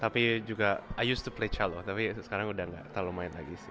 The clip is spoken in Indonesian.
tapi juga saya pernah main cello tapi sekarang udah gak terlalu main lagi sih